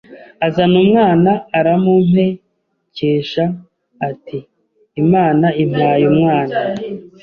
azana umwana aramumpekesha ati Imana impaye umwana